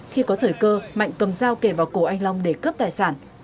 khi có thời cơ mạnh cầm dao kể vào cổ anh long để cướp tài sản